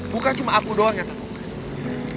bukan cuma aku doang yang terbuka